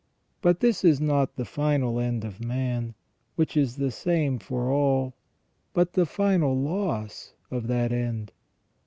But this is not the final end of man, which is the same for all, but the final loss of that end.